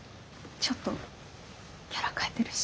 ちょっとキャラ変えてるし。